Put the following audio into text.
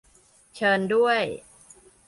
- เชิญด้วย